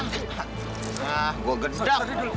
hah gua gedap